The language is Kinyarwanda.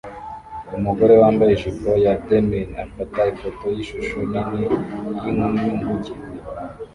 Umugore wambaye ijipo ya denim afata ifoto yishusho nini yinguge